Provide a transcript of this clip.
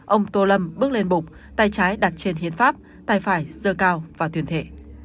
ông tô lâm bước lên bục tay trái đặt trên hiến pháp tay phải dơ cao và tuyên thệ